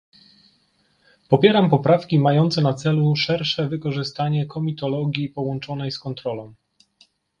Popieram poprawki mające na celu szersze wykorzystanie komitologii połączonej z kontrolą